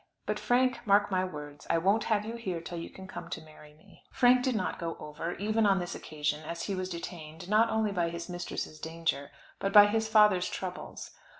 But, Frank, mark my words: I won't have you here till you can come to marry me. Frank did not go over, even on this occasion, as he was detained, not only by his mistress's danger, but by his father's troubles.